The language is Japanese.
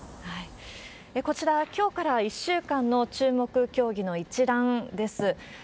こちら、きょうから１週間の注目競技の一覧です。